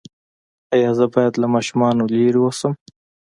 ایا زه باید له ماشومانو لرې اوسم؟